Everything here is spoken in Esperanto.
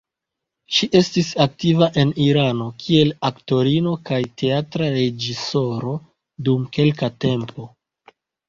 Ŝi estis aktiva en Irano kiel aktorino kaj teatra reĝisoro dum kelka tempo.